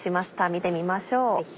見てみましょう。